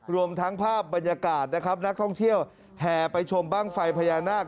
รวมทั้งภาพบรรยากาศนะครับนักท่องเที่ยวแห่ไปชมบ้างไฟพญานาค